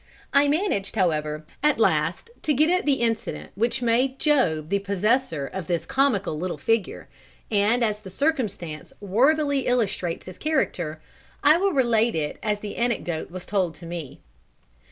I managed, however, at last to get at the incident which made Job the possessor of this comical little figure, and as the circumstance worthily illustrates his character, I will relate it as the anecdote was told to me.